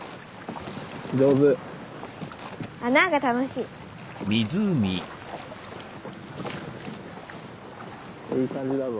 いい感じだぞ。